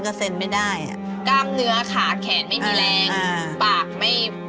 อืมอืมอืมอืม